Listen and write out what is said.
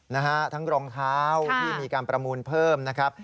นะฮะทั้งรองเท้าที่มีการประมูลเพิ่มนะครับ